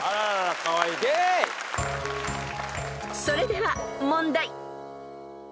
［それでは問題］